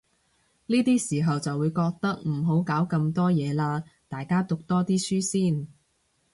呢啲時候就會覺得，唔好搞咁多嘢喇，大家讀多啲書先